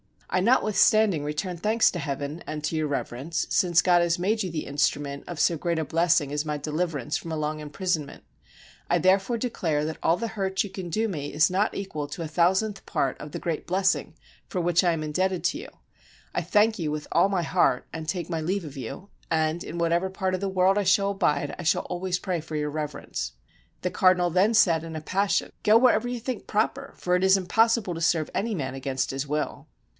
I notwithstanding return thanks to Heaven and to Your Reverence, since God has made you the instrument of so great a blessing as my deliverance from a long imprisonment I therefore de clare that all the hurt you can do me is not equal to a thousandth part of the great blessing for which I am indebted to you. I thank you with all my heart, and take my leave of you, and in whatever part of the world I shall abide I shall always pray for Your Reverence." The cardinal then said in a passion, "Go wherever you think proper, for it is impossible to serve any man against his will."